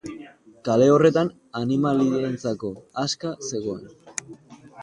Kale horretan animalientzako aska zegoen.